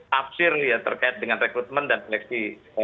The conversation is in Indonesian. tapsir yang terkait dengan rekrutmen dan seleksi